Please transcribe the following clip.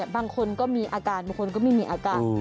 บางคนก็มีอาการบางคนก็ไม่มีอาการ